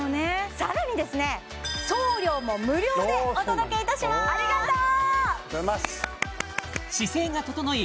さらにですねでお届けいたしまーすありがとう！